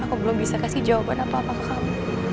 aku belum bisa kasih jawaban apa apa ke kamu